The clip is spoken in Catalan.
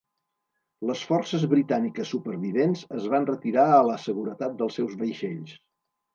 Les forces britàniques supervivents es van retirar a la seguretat dels seus vaixells.